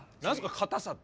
硬さって。